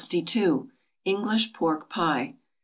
=English Pork Pie.